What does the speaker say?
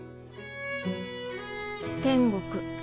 天国。